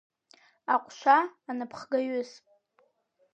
Аҟәша анапхгаҩыс.